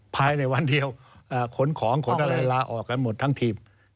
ภายในวันเดียวขนของขนอะไรลาออกกันหมดทั้งทีม